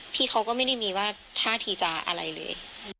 พี่เขาก็ไม่ได้มีว่าท่าทีจะอะไรเลย